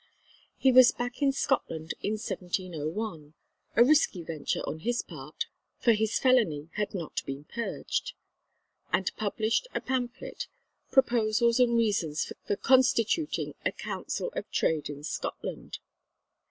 He was back in Scotland in 1701 (a risky venture on his part for his felony had not been "purged") and published a pamphlet, "Proposals and Reasons for constituting a Council of Trade in Scotland."